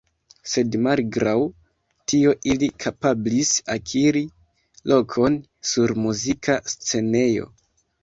Sed malgraŭ tio ili kapablis akiri lokon sur muzika scenejo.